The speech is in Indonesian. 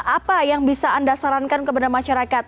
apa yang bisa anda sarankan kepada masyarakat